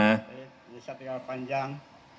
nusa tegal panjang